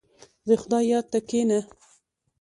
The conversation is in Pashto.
• د خدای یاد ته کښېنه.